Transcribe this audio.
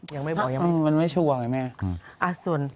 ยังไม่บอกยังไม่รู้ค่ะมันไม่ชัวร์ไงแม่อืมอืม